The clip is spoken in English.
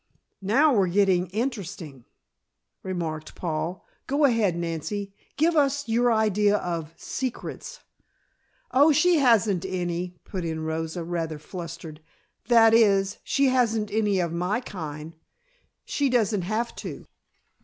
"Now we're getting interesting," remarked Paul. "Go ahead, Nancy. Give us your idea of secrets." "Oh, she hasn't any," put in Rosa, rather flustered. "That is, she hasn't any of my kind; she doesn't have to."